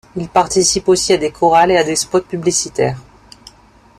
Il participe aussi a des chorales et à des spot publicitaires.